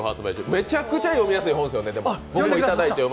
めちゃくちゃ読みやすい本ですよね。